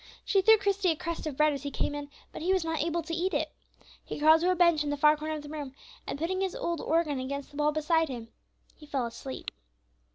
She threw Christie a crust of bread as he came in, but he was not able to eat it. He crawled to a bench in the far corner of the room, and putting his old organ against the wall beside him, he fell asleep.